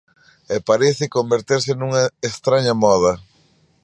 E parece converterse nunha estraña moda.